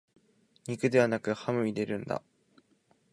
肉ではなくハム入れるんだ